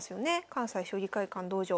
関西将棋会館道場。